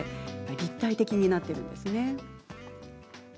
立体的になっているんですね